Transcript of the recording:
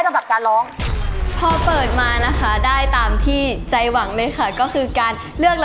ถ้าพร้อมแล้วยิบเลย